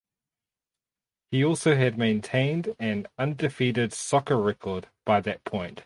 He also had maintained an undefeated soccer record by that point.